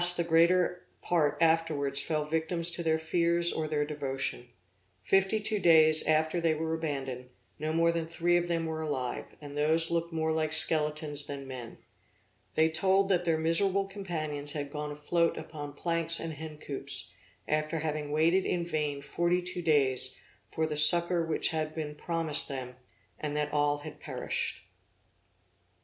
the greater part afterwards fell victims to their fears or their devotion. Fifty two days after they were abandoned, no more than three of them were alive, and those looked more like skeletons than men. They told that their miserable companions had gone afloat upon planks and hen coops, after having waited in vain forty two days, for the succor which had been promised them, and that all had perished.